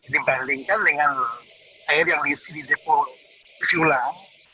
dibandingkan dengan air yang diisi di depo isi ulang